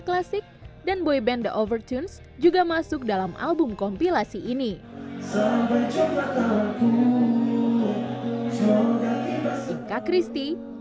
klasik dan boyband overtunes juga masuk dalam album kompilasi ini sampai jumlah tahunku